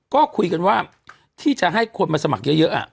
ก็คุยกันว่าที่จะให้คนมาสมัครเยอะ